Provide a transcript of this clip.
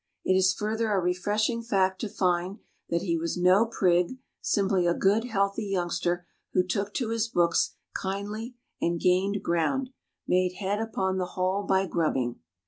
It is further a refreshing fact to find that he was no prig, simply a good, healthy youngster who took to his books kindly and gained ground made head upon the whole by grubbing.